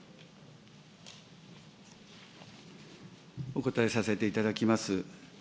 お答えさせていただきます。